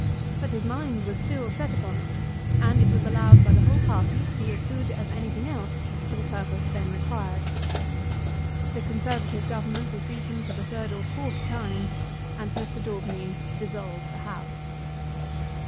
But his mind was still set upon it, and it was allowed by the whole party to be as good as anything else for the purpose then required. The Conservative Government was beaten for the third or fourth time, and Mr. Daubeny dissolved the House.